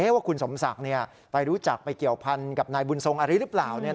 ว่าคุณสมศักดิ์ไปรู้จักไปเกี่ยวพันกับนายบุญทรงอาริหรือเปล่า